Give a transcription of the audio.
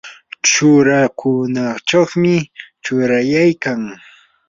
churakunachawmi churayaykan.